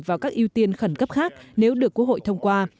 vào các ưu tiên khẩn cấp khác nếu được quốc hội thông qua